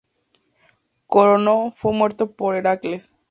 Corono fue muerto por Heracles.